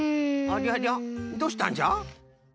ありゃりゃどうしたんじゃ？